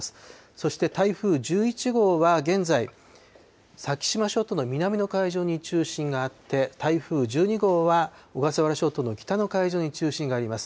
そして台風１１号は現在、先島諸島の南の海上に中心があって、台風１２号は小笠原諸島の北の海上に中心があります。